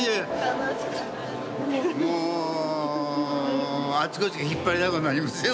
もうあちこち引っ張りだこになりますよ。